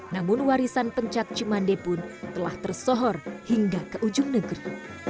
namun warisan pencat cimande pun telah tersohor hingga ke ujung negeri